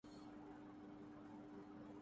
ایک مضبوط و توانا پاکستان قائم کرنے کے لئیے ۔